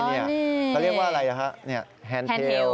เขาเรียกว่าอะไรนะครับ